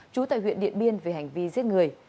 trú tại huyện điện biên về hành vi giết người